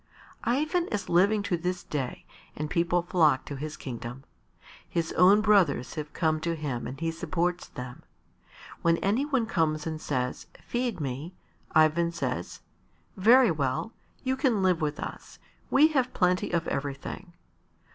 Ivan is living to this day and people flock to his kingdom. His own brothers have come to him and he supports them. When any one comes and says, "Feed me," Ivan says, "Very well, you can live with us; we have plenty of everything."